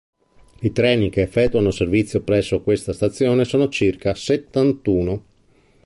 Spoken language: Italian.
I treni che effettuano servizio presso questa stazione sono circa settantuno.